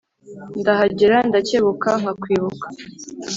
ndahagera nkacyebuka nka kwibuka